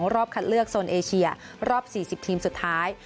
รอบคัดเลือกโซนเอเชียรอบ๔๐ทีมสุดท้าย